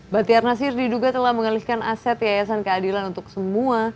bahtiar nasir diduga telah mengalihkan aset yayasan keadilan untuk semua